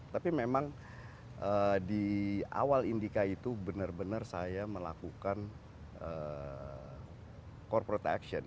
tapi memang di awal indika itu benar benar saya melakukan corporate action